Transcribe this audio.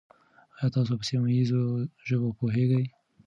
آیا تاسو په سیمه ییزو ژبو پوهېږئ؟